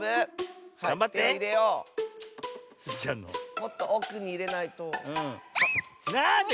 もっとおくにいれないと。